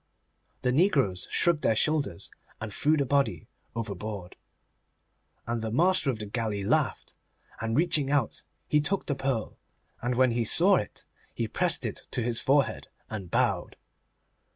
The negroes shrugged their shoulders, and threw the body overboard. And the master of the galley laughed, and, reaching out, he took the pearl, and when he saw it he pressed it to his forehead and bowed.